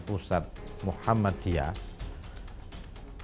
perang tu amat belilah perang